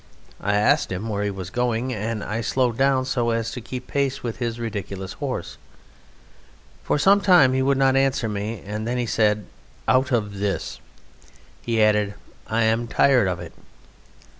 I asked him where he was going, and I slowed down, so as to keep pace with his ridiculous horse. For some time he would not answer me, and then he said, "Out of this." He added, "I am tired of it."